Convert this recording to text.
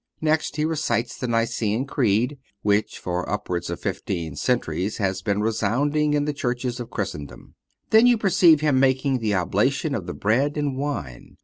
Next he recites the Nicene Creed, which for upwards of fifteen centuries has been resounding in the churches of Christendom. Then you perceive him making the oblation of the bread and wine.